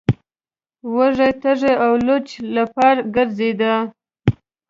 وږی تږی او لوڅ لپړ ګرځیده.